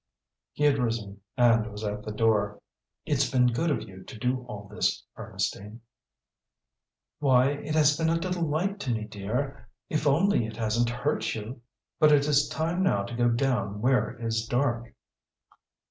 He had risen, and was at the door. "It's been good of you to do all this, Ernestine." "Why it has been a delight to me, dear; if only it hasn't hurt you. But it is time now to go down where it is dark."